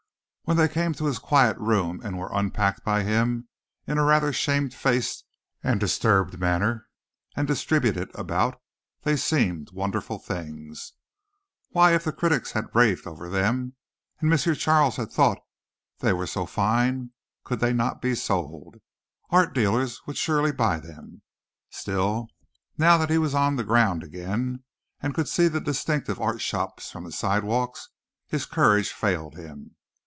When they came to his quiet room and were unpacked by him in a rather shamefaced and disturbed manner and distributed about, they seemed wonderful things. Why, if the critics had raved over them and M. Charles had thought they were so fine, could they not be sold? Art dealers would surely buy them! Still, now that he was on the ground again and could see the distinctive art shops from the sidewalks his courage failed him.